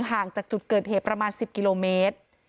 ห่างจากจุดเกิดเหตุประมาณ๑๐กิโลเมตร